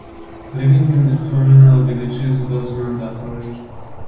Living in the communal villages was mandatory.